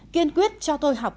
kiên quyết cho tôi học